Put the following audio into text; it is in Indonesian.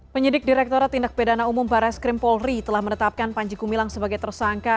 penyidik direkturat tindak bidana umum barai skrimpolri telah menetapkan panji kumilang sebagai tersangka